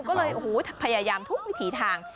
ก็เลยพยายามทุกวิถีทาง